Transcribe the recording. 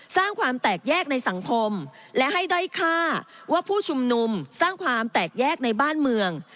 สร้างความแตกแยกในสังคมและให้ด้อยค่าว่าผู้ชุมนุมสร้างความแตกแยกในบ้านเมือง